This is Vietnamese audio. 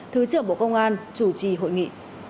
thứ trưởng bộ công an chủ trì hội nghị